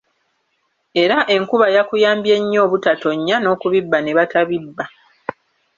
Era enkuba yakuyambye nnyo obutatonya n’okubibba ne batabibba!